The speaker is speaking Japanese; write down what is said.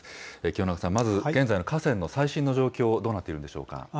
清永さん、まず、河川の最新の情報どうなっているんでしょうか。